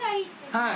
はい。